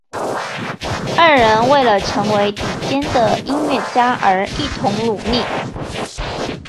二人为了成为顶尖的音乐家而一同努力。